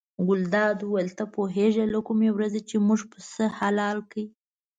ګلداد وویل ته پوهېږې له کومې ورځې چې موږ پسه حلال کړ.